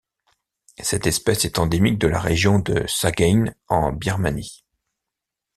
Cette espèce est endémique de la région de Sagaing en Birmanie.